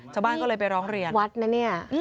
ชาวบ้านก็เลยไปร้องเรียน